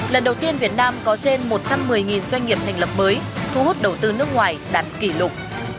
lần đầu tiên việt nam có trên một trăm một mươi doanh nghiệp thành lập mới thu hút đầu tư nước ngoài đạt kỷ lục